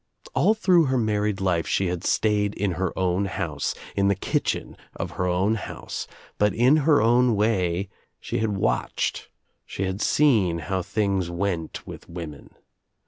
All through her married life she had stayed in her own house, in the kitchen of her own house, but in her own way she had watched, she had seen how things went with women.